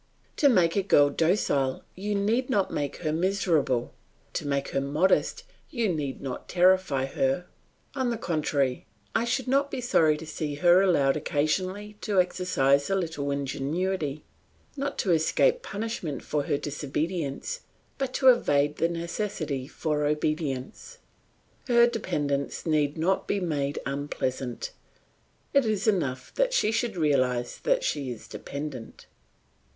To make a girl docile you need not make her miserable; to make her modest you need not terrify her; on the contrary, I should not be sorry to see her allowed occasionally to exercise a little ingenuity, not to escape punishment for her disobedience, but to evade the necessity for obedience. Her dependence need not be made unpleasant, it is enough that she should realise that she is dependent.